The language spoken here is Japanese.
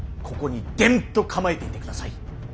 ここにでんと構えていてください。